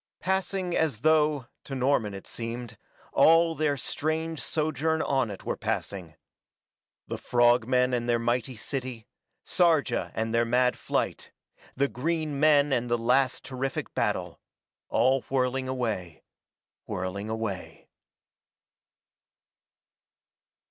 Passing as though, to Norman it seemed, all their strange sojourn on it were passing; the frog men and their mighty city, Sarja and their mad flight, the green men and the last terrific battle; all whirling away whirling away.